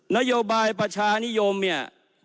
นโยบายประชานิยมเนี่ย